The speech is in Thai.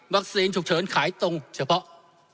ฉุกเฉินขายตรงเฉพาะ